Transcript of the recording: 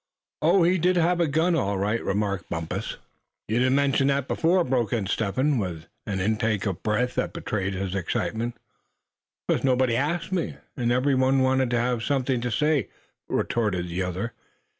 "Oh! he did have a gun, all right," remarked Bumpus, carelessly. "You didn't mention that before," broke in Step Hen, with an intaking of breath that betrayed excitement. "'Cause nobody asked me; and every one wanted to have something to say," retorted the other.